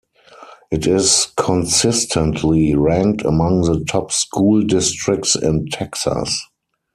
It is consistently ranked among the top school districts in Texas.